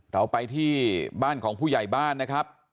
เราไปที่บ้านของผู้ใหญ่บ้านนะครับ